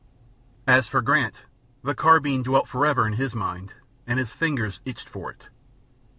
As for Grant, the carbine dwelt forever in his mind, and his fingers itched for it.